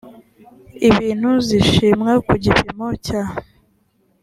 ibintu zishimwa ku gipimo cya